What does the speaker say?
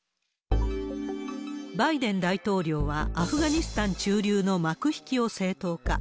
バイデン大統領は、アフガニスタン駐留の幕引きを正当化。